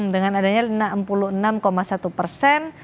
dengan adanya enam puluh enam satu persen